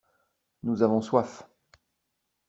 Nous avons soif.